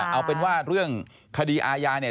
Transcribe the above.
เอาเป็นว่าเรื่องคดีอาญา